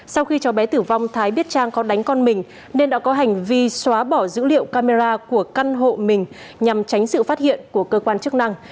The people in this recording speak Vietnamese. sau khi cháu bé tử vong thái biết trang có đánh con mình nên đã có hành vi xóa bỏ dữ liệu camera của căn hộ mình nhằm tránh sự phát hiện của cơ quan chức năng